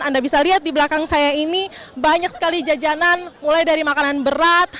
anda bisa lihat di belakang saya ini banyak sekali jajanan mulai dari makanan berat